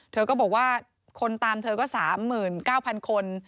เธอก็บอกว่าคนตามเธอก็๓๙๐๐คน